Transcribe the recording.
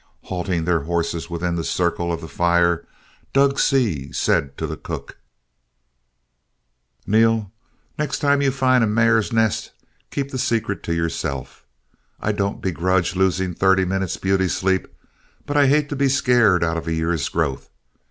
Halting their horses within the circle of the fire, Dorg Seay said to the cook: "Neal, the next time you find a mare's nest, keep the secret to yourself. I don't begrudge losing thirty minutes' beauty sleep, but I hate to be scared out of a year's growth.